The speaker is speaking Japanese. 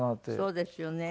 そうですよね。